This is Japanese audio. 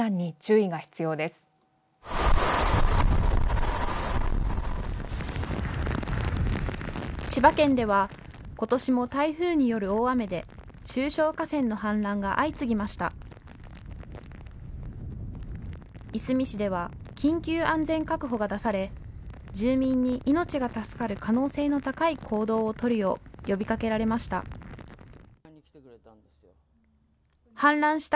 いすみ市では緊急安全確保が出され住民に命が助かる可能性の高い行動を取るよう呼びかけられました。